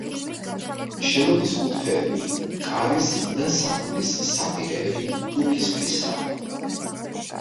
შენობის კუთხეები, კარის და სარკმლის საპირეები ტუფის ქვისაა.